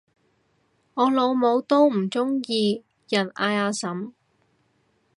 我老母都唔鍾意人嗌阿嬸